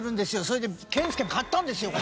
それで健介買ったんですよ